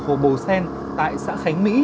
hồ bồ sen tại xã khánh mỹ